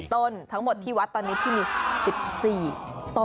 ต้นทั้งหมดที่วัดตอนนี้ที่มี๑๔ต้น